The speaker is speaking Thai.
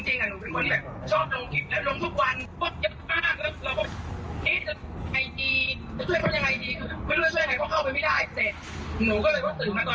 หนูก็เลยตื่นมาตอนเช้าปุ๊บ